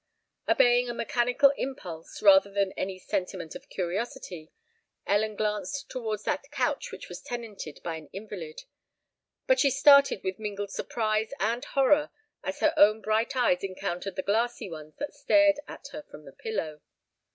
Obeying a mechanical impulse, rather than any sentiment of curiosity, Ellen glanced towards that couch which was tenanted by an invalid; but she started with mingled surprise and horror as her own bright eyes encountered the glassy ones that stared at her from the pillow.